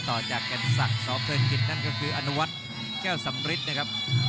ต่อจากกันศักดิ์สเพลินกิจนั่นก็คืออนุวัฒน์แก้วสำริทนะครับ